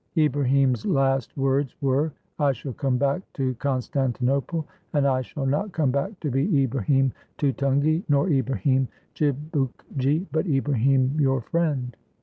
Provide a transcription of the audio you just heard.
Ibrahim's last words were, "I shall come back to Constantinople, and I shall not come back to be Ibrahim Tutungi nor Ibrahim Chibukgi, but Ibrahim your friend."